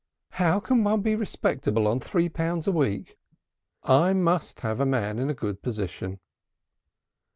"How can one be respectable on three pounds a week? I must have a man in a good position."